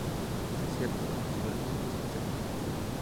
Desiertos, matorrales y bosques secos.